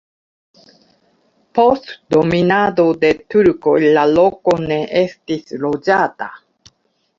Post dominado de turkoj la loko ne estis loĝata.